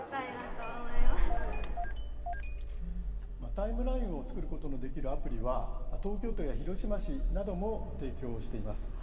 タイムラインを作ることができるアプリは東京都や広島市なども提供しています。